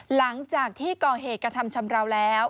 หลังจากที่ก่อเหตุกระทำชำราวแล้ว